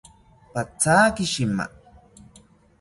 Pathaki shima